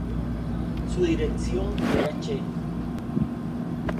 Su dirección era Ch.